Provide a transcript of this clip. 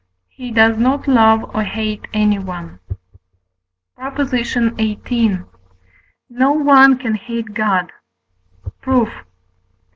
he does not love or hate anyone. PROP. XVIII. No one can hate God. Proof.